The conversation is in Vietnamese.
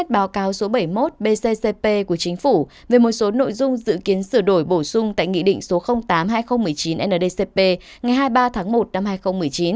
báo cáo số bảy mươi một bccp của chính phủ về một số nội dung dự kiến sửa đổi bổ sung tại nghị định số tám hai nghìn một mươi chín ndcp ngày hai mươi ba tháng một năm hai nghìn một mươi chín